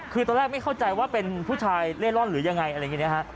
คือตอนแรกไม่เข้าใจว่าเป็นผู้ชายเล่นร่อนหรือยังไง